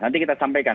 nanti kita sampaikan